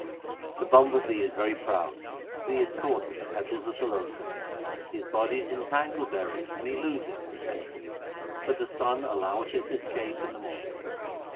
15 The bumble bee is very proud, but he is caught in the petals of the lotus ; His body is entangled therein and he loseth his senses ; but the sun alloweth his escape in the morning.